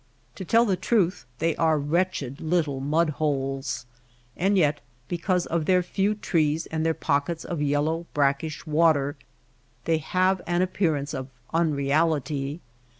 To tell the truth they are wretched little mud holes ; and yet because of their few trees and their pockets of yellow brackish water they have an appearance of un reality.